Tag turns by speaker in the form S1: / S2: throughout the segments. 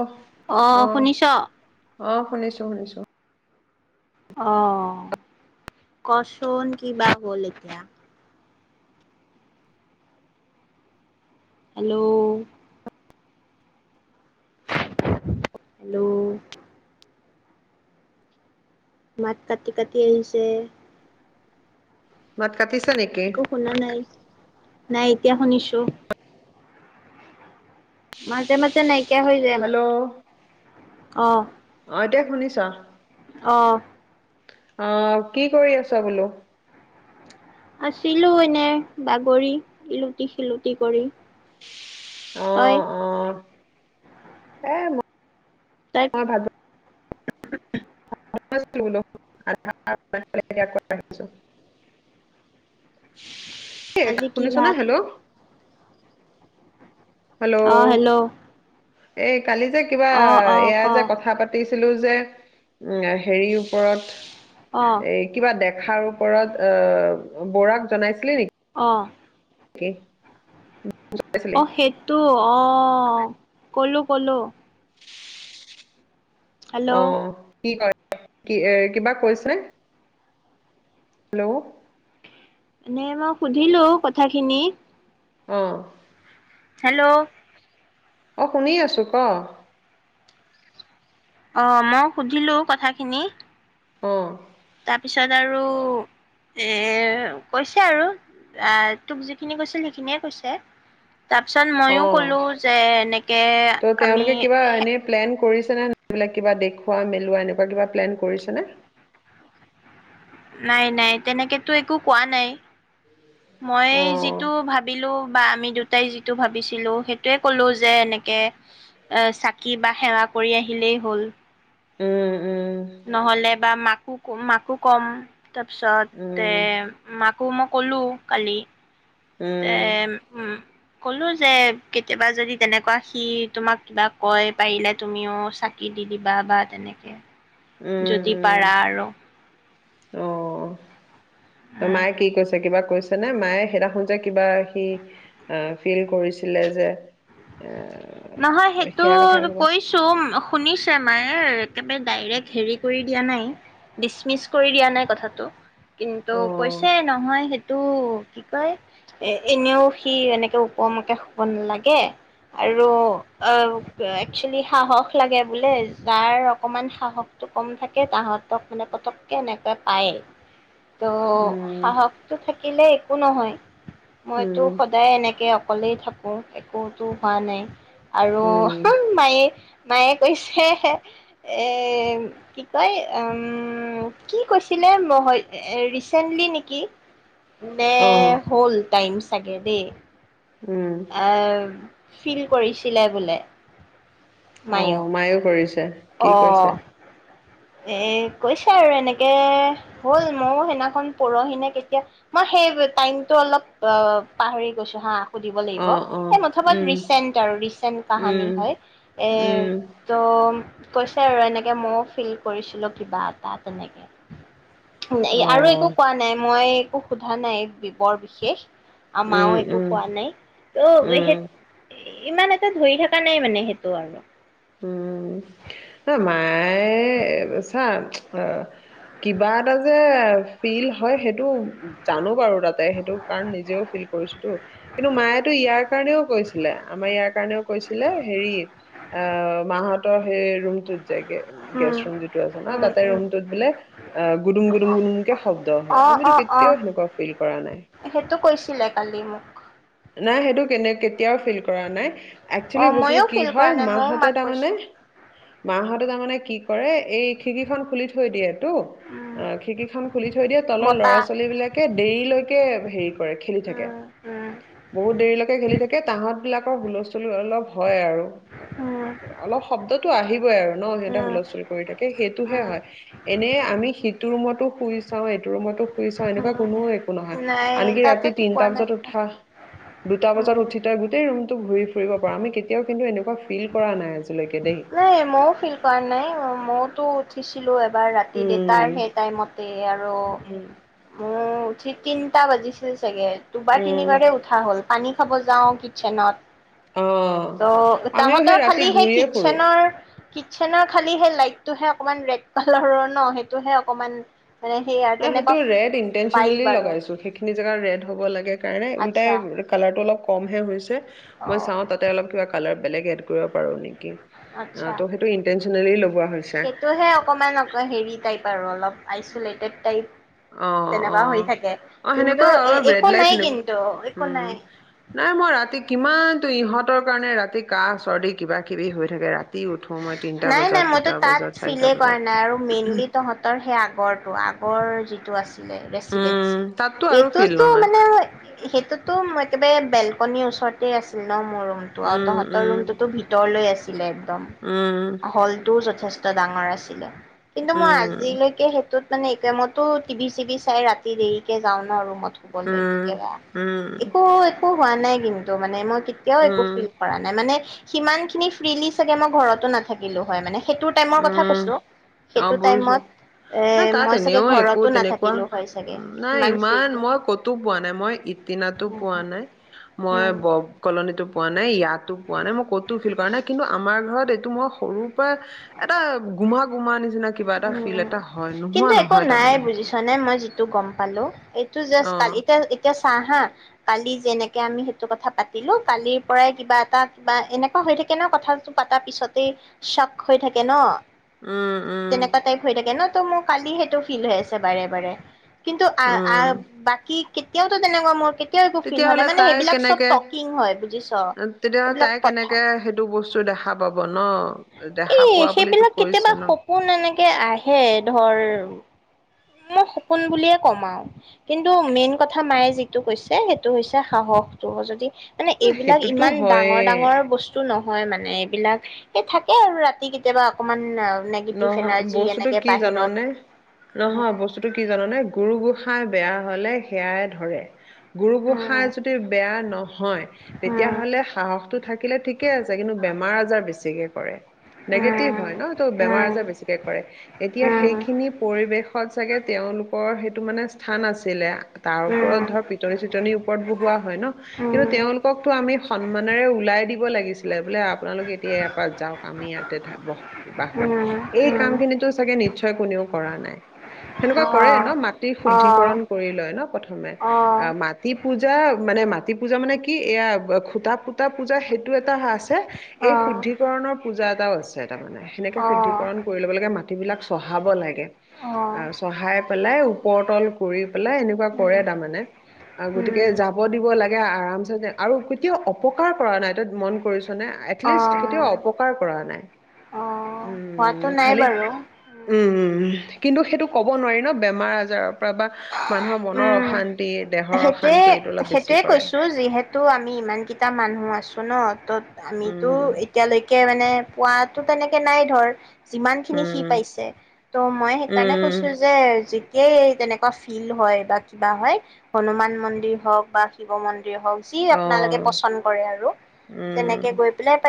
S1: অ
S2: আহ শুনিছ
S1: অ শুনিছো শুনিছো
S2: আহ কচোন কি বা হ'ল এতিয়া হেল্ল'। হেল্ল'। মাত কাটি-কাটি আহিছে।
S1: [inaudible] নেকি
S2: একো শুনা নাই। নাই এতিয়া শুনিছো। মাজে-মাজে নাই- কীয়া হৈ যায়
S1: হেল্ল'
S2: মাতটো অ'।
S1: তই শুনিছা।
S2: অ'ঁ
S1: আহ কি কৰি আছা বোলো।
S2: আছিলো এনে বাগৰি ইলুটি-খিলুটি কৰি। তই?
S1: অহ-অহ। এ মোক।
S2: তই
S1: মই ভাবো। [unintelligible] এ'
S2: আজি কি
S1: শুনিছনে
S2: ভাত?
S1: হেল্ল'।
S2: অহ হেল্ল'।
S1: এই, কালি যে কিবা
S2: অ', অ',
S1: এয়া
S2: ক।
S1: যে কথা পাতিছ - ছিলো যে উ হেৰিৰ
S2: অ',
S1: ওপৰত। এই কিবা দেখ- লেখাৰ ওপৰত অ' বৰাক জনাইছিলি নেকি?
S2: অ'।
S1: [unintelligible]
S2: অ' সেইটো। অ' ক'লো, ক'লো। হেল্ল',
S1: অহ। কি কয়, কি এ' কিবা কৈছে নে? হেল্ল'।
S2: এনে মই সুধিলো কথাখিনি।
S1: অঁ।
S2: হেল্ল'।
S1: অ' শুনি আছো ক'।
S2: অ' মই সুধিলো কথাখিনি।
S1: অঁ।
S2: তাৰপিছত আৰু এ কৈছে আৰু আ তোক যিখিনি কৈছিল সেইখিনিয়ে কৈছে। তাৰপিছত
S1: অ
S2: ময়ো ক'লো যে এনেকে আমি।
S1: তেনেহলে এইবোৰ কিবা দেখুওৱা-মেলোৱা এনেকুৱা কিবা প্লেন কৰিছে নে?
S2: নাই - নাই তেনেকেতো একো কোৱা নাই। মই
S1: অ
S2: যিটো ভাবিলো, বা', আমি দুটাই যিটো ভাবিছিলো সেইটোৱে ক'লো যে- এনেকে এ', চাকি বা সেৱা কৰি আহিলেই হ'ল।
S1: উম। উম
S2: নহ'লে বা মাক, ককম', -মাকো কম, তাৰপিছতে
S1: উম
S2: মাক, আকৌ মই', ক'লো কালি, তে,
S1: উম
S2: কলো যে', কেতিয়াবা যদি তেনেকুৱা সি, - তোমাক কিবা -কয় পাৰিলে তুমিও চাকি দি দিবা বা তেনেকে যদি পাৰা আৰু,
S1: অঁ। ত',
S2: উম
S1: মায়ে কি কৈছে কিবা, কৈছেনে মায়ে সেইদিনা যে কিবা সি', ফিল কৰিছেলে যে', আ',
S2: নহয়, সেইটো কৈছো শুনিছে মায়ে একেব, ডাইৰেক্ট হেৰি কৰি দিয়া নাই, ডিচমিচ কৰি দিয়া নাই কথাটো। কিন্তু
S1: অ
S2: কৈছে নহয় স, টো কি', -কয় ', এ', এনেও সি এনেকে ওপৰমুৱাকে শুব নালাগে আৰু, আৰু এক্সচুলি সাহস লাগে বোলে, যাৰ অকমান সাহসটো কম থাকে তাহতক মানে পতককে এনেকৈ পায়েই। ত',
S1: উম
S2: সাহসটো থাকিলে, একো নহয়, মইতো',
S1: উম
S2: সদায় এনেকে অকলেই থাকো। ক'ত একোতো হোৱা নাই। আৰু
S1: উম
S2: মায়ে, মায়ে কৈছে এ ', কি', - কয় ', উম', কি- কৈছিলে ৰিচেন্টলি নেকি, নে',
S1: অ
S2: হল-টাইমছ, তাকেইদেই
S1: উম
S2: [unintelligible] ফিল কৰিছিলে বোলে। মায়েও
S1: অহ', মায়ও কৰিছে কি
S2: অ
S1: কৈছে?
S2: এ', -কৈছে আৰু এনেকে হ'ল মইও সেইদিনাখন পৰহিনে, কেতিয়া মই সেই টাইমতটো অলপ অ', পাহৰি গৈছো হা', - হু দিব লাগিব
S1: অ', অ',
S2: মুথৰ উপৰত
S1: উম,
S2: ৰিচেণ্ট আৰু ৰিচেণ্ট -কাহানী
S1: উম,
S2: হয়',
S1: উম,
S2: - ত', কৈছে আৰু এনেকে মইও ফিল কৰিছিলো, কিবা এটা তেনেকে। আৰু একো
S1: অ',
S2: কোৱা নাই মই', একো সোধা নাই। বৰ বিশেষ মায়ো
S1: উম,
S2: একো
S1: উম,
S2: কোৱা নাই। অ বেখেত
S1: উম।
S2: ইমান এটা ধৰি থকা নাই মানে সেইটো আৰু।
S1: উম, নাই মায়ে চা আহ কিবা এটা যে ফিল হয়, সেইটো জানো বাৰু তাতে সেইটো কাৰণ নিজেও ফিল কৰিছোতো কিন্তু মায়েতো ইয়াৰ কাৰণেও কৈছিলে, আমাৰ ইয়াৰ কাৰণেও কৈছিলে হেৰি। অ মাহতৰ সেই ৰুমটোত। গেছ
S2: উম
S1: ৰুম যিটো আছে ন
S2: উম
S1: তাতে
S2: উম
S1: ৰুমত বোলে গুদুম গুদুম গুদুম কে শব্দ
S2: অ
S1: হয় আমিতো
S2: অ অ
S1: কেতিয়াও সেনেকুৱা ফিল কৰা নাই।
S2: ছিলে কালি মোক।
S1: নাই সেইটো কেনে কেতিয়াও ফিল কৰা নাই,
S2: অ
S1: একচুৱেলি বস্তুটো
S2: মইয়ো
S1: কি
S2: ফিল
S1: হয়
S2: কৰা নাই ময়ো
S1: মাহতে
S2: মাক
S1: তাৰমানে
S2: কৈছো
S1: মাহঁতে তাৰমানে কি কৰে এই খিকি খন খুলি থৈ দিয়ে। ত
S2: উম
S1: অ খিকি খন খুলি থৈ দিয়ে তলৰ ল'ৰা
S2: বতাহ
S1: ছোৱালী বিলাকে দেৰিলৈকে কি আক সেইটো। কৰে খেলি থাকে।
S2: উম উম
S1: বহুত দেৰিলৈকে খেলি থাকে তাহত বিলাকৰ হুলস্থুল অলপ হয় আৰু
S2: উম
S1: অলপ শব্দতো আহিবই আৰু ন সিহঁতে
S2: উম
S1: হুলস্থুল কৰি থাকে সেইটোহে
S2: উম
S1: হয়। এনে আমি সিটো ৰুমতো শুই চাও, এইটো ৰুমতো শুই চাওঁ এনেকুৱা। কোনো, নহয়
S2: উম নাই
S1: আনকি
S2: তাতে
S1: ৰাতি
S2: কি পোৱা
S1: তিনটা
S2: নাই
S1: বজাত উঠা। দুটা বজাত
S2: উম
S1: উঠি তাইৰ গোটেই ৰুম। ঘূৰি ফুৰিব পৰা আমি কেতিয়াও কিন্তু এনেকুৱা ফিল কৰা নাই আজি।
S2: নাই মই ফিল কাৰ নাই মইয়ো। টো উঠিছিলোঁ। ৰাতি দেটাৰ
S1: উম
S2: সেই টাইমতে আৰু
S1: উম,
S2: ময়ো উঠি তিনি, টা বাজিছিল। চাগে দুবাৰ
S1: উম,
S2: তিনিবাৰে উঠা হ'ল। পানী খাব যাওঁ কিটচেনত।
S1: অ,
S2: অ''
S1: আমিও
S2: তাহঁতৰ
S1: ৰাতি
S2: খালি সেই
S1: ঘূৰিয়ে ফুৰো।
S2: কিটচেনৰ। কিটচেনৰ খালি সেই লাইটটোহে অকমান ৰেড কালাৰৰ ন সেইটোহে অকমান। মানে সেইয়া
S1: মানে সেইটো
S2: তেনেকুৱা
S1: ৰেড ইনটৈনচচেলি
S2: ফাইভ আৰু
S1: লগাইছো সেইখিনি জেগা ৰেড হ'ব লাগে কাৰণে
S2: আচ্ছা
S1: দুয়োটাই কালাৰত অলপ। কমহে হৈছে। মই
S2: অ'
S1: চাওঁ তাতে অলপ কিবা কালাৰ। বেলেগ এড কৰিব পাৰোঁ নেকি।
S2: আচ্ছা
S1: ত' সেইটো ইনটেনচেনলি লগোৱা হৈছে।
S2: সেইটোহে অকমান অক হেৰি টাইপ আৰু অলপ। Isolated type.
S1: অ অ
S2: তেনেকুৱা হৈ থাকে
S1: অ
S2: কিন্তু
S1: সেনেকুৱা
S2: এ
S1: অলপ ৰেড
S2: একো
S1: লাইট
S2: নাই
S1: সেনে
S2: কিন্তু একো নাই
S1: নাই মই ৰাতি কিমান। টো ইহঁতৰ কাৰণে ৰাতি কাঁহ চৰ্দি কিবা কিবি হৈ থাকে ৰা-
S2: নাই নাই মইতো তাত
S1: চাৰিটা
S2: ফিলে
S1: বজাত
S2: কৰা নাই আৰু মেইনলি তহঁতৰ সেই আগৰটো আগৰ যি, টো আছে, মানে ৰেচিদেঞ্চি
S1: উম, তাততো আৰু ফিল
S2: সেইতুটো
S1: নহয়।
S2: মানে সেইটো একেবাৰে, বেলকনিৰ ওচৰতেই আছিল, ন মোৰ ৰুমটো আৰু
S1: উম,
S2: তহঁতৰ
S1: উম,
S2: ৰুমটোতো ভিতৰলৈ আছিলে একদম।
S1: উম,
S2: হলটো যথেষ্ট। ডাঙৰ আছিলে। কিন্তু মই
S1: উম,
S2: আজিলৈকে সেইটোত। মানে একমইতো টিভি চি ভি চাই ৰাতি দেৰিকে যাওঁ, ৰুমত শুব লে
S1: উম।
S2: কেতিয়াবা
S1: উম, উম,
S2: একো একো, হোৱা নাই কিন্তু মানে মই কেতিয়াও একো ফিল কৰা নাই মানে সিমান খিনি ফ্ৰিলি চাগে মই ঘৰত নাথাকিলো হয় মানে সেইটো টাইমৰ কথা
S1: উম
S2: কৈছো।
S1: অ
S2: সেইটো
S1: বুজিছোঁ
S2: টাইমত এ
S1: তাত
S2: মই চাগে
S1: এনেও একো
S2: ঘৰতো
S1: তেনেকুৱা
S2: নাথাকিলো হয় চাগে
S1: উ নাই
S2: সিমান
S1: ইমান
S2: ফ্ৰীলি।
S1: মই কতো পোৱা নাই মই ইটিনাতো
S2: উম,
S1: পোৱা নাই মই
S2: উম।
S1: ব কলনীতো পোৱা নাই ইয়াতো পোৱা নাই মই ক'তো ফিল কৰা নাই কিন্তু আমাৰ ঘৰত এইটো মই সৰুৰ পৰাই এটা গোমা গোমা নিচিনা এটা ফিল
S2: উম
S1: এটা হয়, নোহোৱা
S2: কিন্তু একো
S1: নহয়
S2: নাই
S1: তাৰমানে সেইটো।
S2: বুজিছ নে মই যিটো গম পালো এইটো জাষ্ট কালি
S1: অ',
S2: এতিয়া এতিয়া চাহ হা কালি যেনেকে আমি সেইটো কথা পাতিলো কালিৰ পৰাই কিবা এটা কিবা এনেকুৱা হৈ থাকে ন কথাটো পতা পিছতেই চক হৈ থাকে ন।
S1: উম। উম,
S2: তেনেকা টাইপ হৈ থাকে ন। ত মোৰ কালি সেইটো ফিল হৈ আছে বাৰে বাৰে। কিন্তু আ আ
S1: উম।
S2: বাকী কেতিয়াওটো তেনেকোৱা মোৰ একো ফিল হয়
S1: তেতিয়াহ'লে
S2: নাই মানে
S1: তাই
S2: সেইবিলাক চব
S1: কেনেকে
S2: টকিং হয় বুজিছ
S1: তেতিয়াহ'লে তাই
S2: এইবিলাক কথা
S1: কেনেকে সেইটো বস্তু দেখা পাব ন। দেখা
S2: এই
S1: পোৱা বুলিতো
S2: সেইবিলাক
S1: কৈছে
S2: কেতিয়াবা
S1: ন
S2: সপোন এনেকে আহে ধৰ মই সপোন বুলিয়ে কম আও কিন্তু মেইন কথা মায়ে যিটো কৈছে সেইটো হৈছে সাহসটো যদি মানে
S1: ন
S2: এইবিলাক
S1: সেইটোতো
S2: ইমান ডাঙৰ
S1: হয়ে
S2: ডাঙৰ বস্তু নহ হয় মানে এইবিলাক হে থাকে আৰু ৰাতি কেতিয়াবা অকমান অ
S1: নহয় বস্তুটো কি জাননে। নহয়
S2: উম
S1: বস্তুটো কি জান নে গুৰু গো খাই বেয়া হলে সেয়াই ধৰে গুৰু গোসাই
S2: উম
S1: যদি বেয়া নহয় তেতিয়াহ'লে সাহসটো থাকিলে ঠিকে আছে কিন্তু বেমাৰ আজাৰ বেছিকে কৰে নিগেটিভ
S2: উম
S1: হয় ন বেমাৰ আজাৰ
S2: উম
S1: বেছিকে কৰে
S2: উম
S1: এতিয়া
S2: উম
S1: সেইখিনি পৰিৱেশত চাগে তেওঁলোকৰ সেইটো মানে স্থান আছিলে তাৰ
S2: উম
S1: ওপৰত ধৰ পিটনি চিটনি ওপৰত বহোৱা হয় ন কিন্তু
S2: উম
S1: তেওঁলোককো আমি সন্মানেৰে ওলাই দিব লাগিছিলে বোলে আপোনালোক এতিয়া ইয়াৰ পৰা যাওক আমি ইয়াতে থাকো বাস কৰিম
S2: উম
S1: এই কাম
S2: উম
S1: খিনিতো চাগে নিশ্চয় কোনেও কৰা নাই
S2: অ
S1: সিহঁতে কৰে ন মাটি
S2: অ
S1: শুদ্ধিকৰণ
S2: অ
S1: কৰি লয় ন প্ৰথমে আহ মাটিত পূজা মানে মাটি পূজা মানে কি এয়া খুটা পুটা পূজা সেইটো পুটা আছে
S2: অ
S1: এই শুদ্ধিকৰণৰ পূজাত কৈ আছে তাৰ মানে সনেকে
S2: অ
S1: শুদ্ধিকৰণ
S2: অ
S1: কৰি ল'ব লাগে মাটি মাটিবলাক চহাব লাগে আৰু চহাই পেলাই ওপৰতল কৰি গ'লে এনেকুৱা
S2: উম
S1: কৰে তাৰ মানে অ গতিকে
S2: উম
S1: যাব দিব লা [unintelligible] আৰামছে আৰু কেতিয়াও অপকাৰ কৰা নাই ত মন কৰিছ নে এটলিষ্ট কেতিয়াও
S2: অ
S1: অপকাৰ কৰা নাই।
S2: অ', হোৱাটো
S1: উম
S2: নাই
S1: খালি
S2: বাৰু।
S1: উম। উম কিন্তু সেইটো ক'ব নোৱাৰি ন বেমাৰ আজাৰৰ বা মানুহৰ মনৰ অশান
S2: সেইটোয়ে সেইটোয়ে কৈছো যিহেতু আমি আমি ইমানকিটা মানুহ আছো ন ত আমিতো
S1: উম
S2: এতিয়ালৈকে মানে পোৱাতো তেনেকে নাই ধৰ যিমান খিনি সি
S1: উম
S2: পাইছে ত' মই সেইকাৰণে কৈছো
S1: উম
S2: যে যি সেই তেনেকুৱা ফিল হয় বা কিবা হয় হনুমান মন্দিৰ হওক বা শিৱ মন দিৰে হক যি
S1: অ
S2: আপোনালোকে পছন্দ কৰে আৰু তেনেকে
S1: উম
S2: গৈ পেলাই প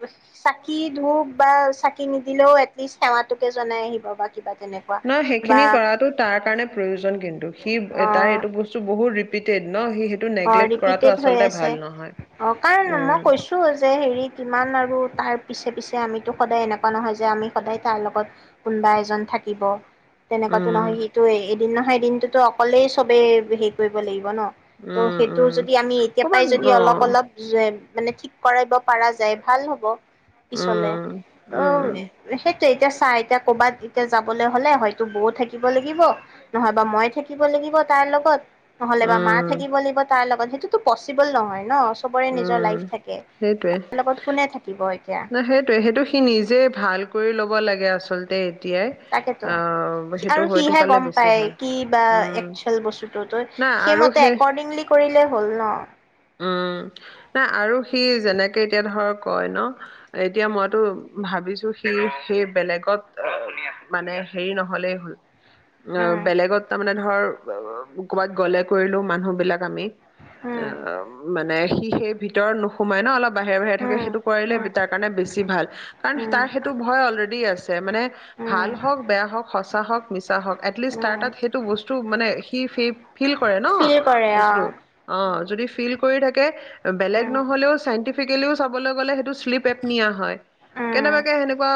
S2: বোলে চাকি ধূপ বা চাকি নিদিলেও এটলিষ্ট সেৱাটোকে জনাই আহিব বা কিবা তেনেকুৱা
S1: নাই
S2: বা
S1: সেইখিনি কৰাটো তাৰ কাৰণে প্ৰয়োজন কিন্তু সি
S2: অ
S1: তাৰ এইটো বস্তু টু বহু ৰেপিটেড।
S2: অ ৰিপিটেড হৈ আছে
S1: নহয়
S2: অ কাৰণ
S1: উম
S2: মই কৈছো যে হেৰি কিমান আৰু তাৰ পিছে পিছে আমিতো সদায় এনেকুৱা নহয় যে আমি সদায় তাৰ লগত কোনবা এজন থাকিব। তেনেকুৱাটো
S1: উম
S2: নহয় সেইটোৱেই এদিন নহয় এদিনটোতো অকলেই চবেই হেৰি কৰিব লাগিব ন? ত'
S1: উম
S2: সেইটো
S1: উম
S2: যদি আমি এতিয়া পাই
S1: ক'ৰবাত
S2: যদি
S1: অ
S2: অলপ অলপ মানে ঠিক কৰাইব পৰা যায় ভাল হ'ব। পিছলে
S1: উম
S2: ত
S1: উম
S2: সেই এতিয়া চা এতিয়া কবাত এতিয়া যাবলৈ হলে হয়তো বৌ থাকিব লাগিব নহয়বা মই থাকিব লাগিব তাৰ লগত। নহ'লে বা মাক।
S1: উম
S2: থাকিব লাগিব তাৰ লগত। সেইটোতো পচিবল নহয় ন ছবৰে নিজৰ
S1: উম
S2: লাইফ থাকে,
S1: সেইটোৱে
S2: তাৰ লগত কোনে থাকিব এতিয়া
S1: ন সেইটোয়ে সেইটো সি নিজে ভাল কৰি ল'ব লাগে আচ চলতে,
S2: তাকেতো আৰু সিহে
S1: থকালে
S2: গম
S1: বেছি
S2: পায়
S1: ভাল
S2: কি বা
S1: উম
S2: একচুৱেল বস্তুটো ত',
S1: নাই আৰু
S2: সেইমতে
S1: সেই
S2: একৰ্ডিংলি কৰিলেই হ'ল ন',।
S1: উম নাই আৰু সি যেনেকৈ এতিয়া ধৰক কয় ন', এতিয়া মইতো ভাবিছো সি সেই বেলেগত মানে হেৰি নহলেই হল। অ',
S2: উম
S1: বেলেগত তাৰ মানে ধৰ ক'বাত গ'লে কৰিলো মানুহ বিলাক আমি। অ,
S2: উম
S1: মানে সি সেই ভিতৰত নোসোমাই ন, অলপ বাহিৰে- বাহিৰে থাকে সেইটো কৰিলে,
S2: উম উম
S1: তাৰ কাৰণে বেছি ভাল। কাৰণ
S2: উম
S1: তাৰ সেইটো ভয় অলৰেডি আছে, মানে ভাল
S2: উম
S1: হওক, বেয়া হওক, সঁচা হওক, মিছা হওক, এটলিষ্ট তাৰ
S2: উম
S1: তাত সেইটো বস্তু মানে, সি ফেইব, ফিল কৰে ন,
S2: ফিল কৰে অ
S1: বস্তুটো অ', যদি ফিল কৰি থাকে, কে, বেলেগ
S2: উম
S1: নহ'লেও চাইন্টিফিক, - প্ৰেক্টিকেলি চাবলৈ গলে সেইটো, পেপ নিয়া হয়
S2: উম
S1: কেনেবাকে
S2: উম
S1: সেনেকোৱা,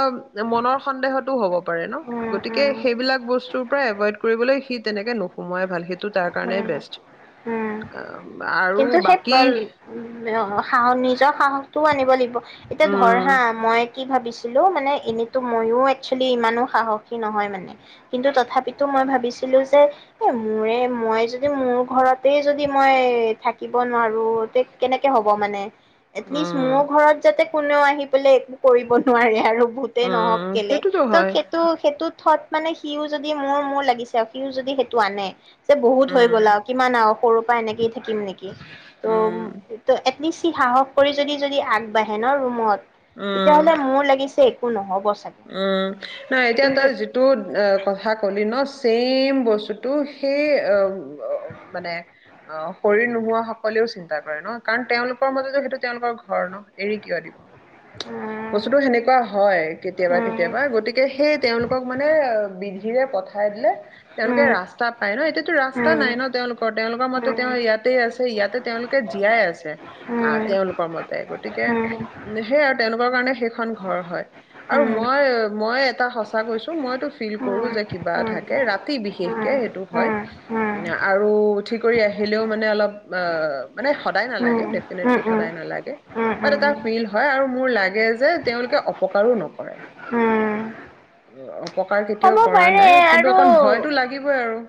S1: মনৰ সন্দেহটো হ'ব, পাৰে ন ', গতিকে
S2: উম
S1: সেইবিলাক বস্তু, পৰা এভইড কৰিবলে সি তেনেকে নোসোমোৱাই ভাল সেই,
S2: উম -উম কিন্তু
S1: আৰু
S2: সেই
S1: বাকী
S2: পোৱালী অ', সাহস নিজৰ সাহস, টোও আনিব লাগিব। এতিয়া ধৰ হা,
S1: উম
S2: মই কি ভাবিছো, বোলো মানে এনে ময়ো একচুৱেলি ইমানো সাহসী নহয় মানে, কিন্তু তথাপিতো মই ভাবিছিলো যে এ, মোৰে মই যদি মোৰ ঘৰতে যদি মই থাকিব নোৱাৰো তে, কেনেকে হ'ব মানে। এটলিষ্ট মোৰ
S1: উম
S2: ঘৰত যাতে, কোনেও আহি পেলাই একো কৰিব নোৱাৰে আৰু, ভূতে নহওক
S1: উম
S2: কেলে
S1: সেইটোতো
S2: ত',
S1: হয়
S2: সেইটো- সেইটো থত মানে সিও যদি মোৰ- মোৰ লাগিছে সিও যদি সেইটো আনে, যে বহুত হৈ
S1: উম
S2: গ'ল আৰু কিমান আৰু, সৰুৰ পৰা এনেকেই থাকিম নেকি? ত ', উম্
S1: উম
S2: এট বেছি সাহস কৰি যদি- যদি আগবাঢ়ে ন', ৰুমত তেতিয়াহ'লে
S1: উম
S2: মোৰ লাগিছে, একো নহ'ব। চাগে
S1: উম নহ এতিয়া
S2: কিন্তু
S1: তই যিটো কথা কলি ন। চেইম বস্তুটো সেই। উ মানে অ শৰীৰ নোহোৱা সকলেও চিন্তা কৰে ন কাৰণ তেওঁলোকৰ মতেতো সেইটো তেওঁলোকৰ ঘৰ ন এৰি কিয় দিব।
S2: উম
S1: বস্তুতটো সেনেকুৱা হয়। কেতিয়াবা কেতিয়াবা গতিকে সেই তেওঁলোকক মানে বিধিৰে পঠাই দিলে। তেওঁলোকে
S2: উম
S1: ৰাস্তা পায় ন এতিয়াতো ৰাস্তা
S2: উম
S1: নাই ন তেওঁলোকৰ তেওঁলোকৰ মতে
S2: উম
S1: তেওঁ ইয়াতে আছে ইয়াতে তেওঁলোকে জীয়াই আছে
S2: উম উম
S1: আহ তেওঁলোকৰ মতে। গতিকে
S2: উম উম উম উম
S1: উ সেইয় আৰু তেওঁল কাৰণে সেইখন ঘৰ হয়। আৰু মই মই তা সঁচা কৈছোঁ মইটো ফিল কৰোঁ যে কিবা থাকে
S2: উম
S1: ৰাতি বিশষকে হেতু হয়
S2: উম উম উম উম
S1: আৰু উঠি কৰি আহলেও মানে অলপ মানে সদাই নালাগে।
S2: উম উম
S1: ডেফিনেটলি
S2: উম উম
S1: সদায় নালাগে ব এটা ফিল হয় আৰু মোৰ লাগে যে তেওঁলোকে অপকাৰো নকৰে। অপকাৰ
S2: হ'ব
S1: কেতিয়াও কৰা
S2: পাৰে
S1: নাই কিন্তু অকণ
S2: আৰু
S1: ভয়তটো লাগিবই আৰু।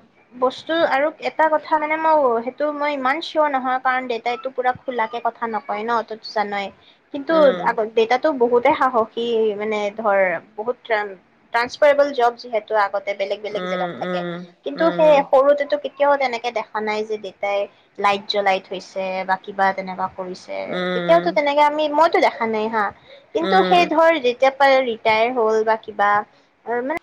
S2: বস্তু আৰু এটা কথা মানে মই সেইটো মই ইমান চিয়ৰ নহয় কাৰণ দেউতা এইটো পুৰা খোলাকে কথা নকয় ন ত জানেই। কিন্তু
S1: উম
S2: আগ দেতাতো বহুত সাহসী মানে ধৰ বহুত ট্ৰাসফাৰবল জব যিহেতু আগত বেলেগ বেলেগ
S1: উম
S2: জেগাত থাকে
S1: উম
S2: কিন্তু
S1: উম
S2: স সৰুতে কেতিয়াও তেনেকে দেখা নাই যে দেউেতাই লাইট জ্বলাই থৈছে বা কিবা তেনেকুৱা। কৰি তেতিয়াও তেনেকে আমি মইতো দেখা আনে হা
S1: উম
S2: কিন্তু সেই
S1: উম
S2: ধৰ যেতিয়া ৰিটায়াৰ হ'ল বা কিবা মানে